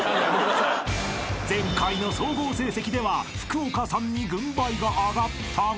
［前回の総合成績では福岡さんに軍配が上がったが］